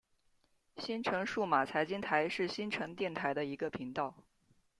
新城数码财经台是新城电台的一个频道。